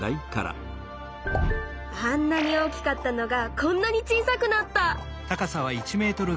あんなに大きかったのがこんなに小さくなった！